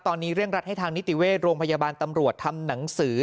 ตอนนี้เร่งรัดให้ทางนิติเวชโรงพยาบาลตำรวจทำหนังสือ